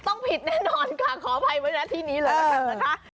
ต้องผิดแน่นอนค่ะขออภัยไว้นะที่นี้เลยละกันนะคะ